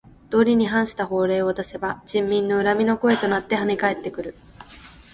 道理に反した法令を出せば人民の恨みの声となってはね返ってくる。